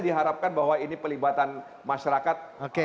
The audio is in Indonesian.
diharapkan bahwa ini pelibatan masyarakat